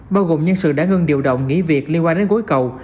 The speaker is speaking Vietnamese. bao gồm nhân sự đã ngưng điều động nghỉ việc liên quan đến gối cầu